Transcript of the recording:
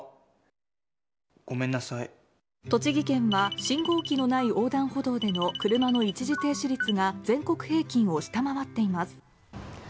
栃木県は信号機のない横断歩道での車の一時停止率が全国平均を下回っています。